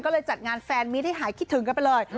ก็เลยจัดงานแฟนมิตให้หายคิดถึงกันไปเลย